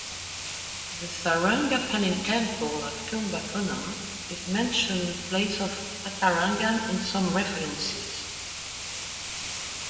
The Sarangapani temple at Kumbakonam is mentioned in place of Vatarangam in some references.